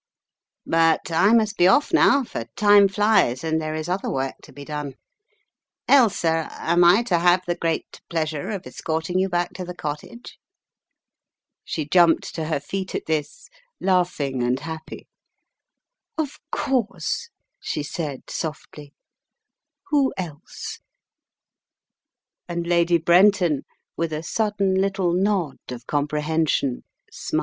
"But I must be off now, for time flies, and there is other work to be done. ••. Ailsa, am I to have the great pleasure of escorting you back to the Cottage?" She jumped to her feet at this, laughing and happy. "Of course," she said, softly, "who else?" And Lady Brenton, with a sudden little nod of com prehension, smiled.